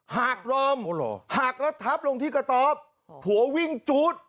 หากดอมหากรถทับลงที่กระต๊อบผัววิ่งจู๊ด